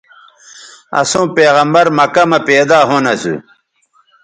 اَسوں پیغمبرؐ مکہ مہ پیدا ھُون اَسو